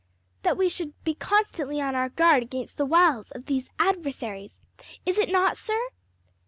"That we should be constantly on our guard against the wiles of these adversaries, is it not, sir?"